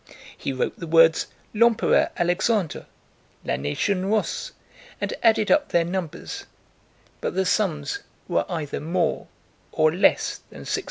He wrote the words L'Empereur Alexandre, La nation russe and added up their numbers, but the sums were either more or less than 666.